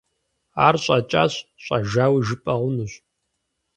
Ар щӀэкӀащ, щӀэжауи жыпӀэ хъунущ.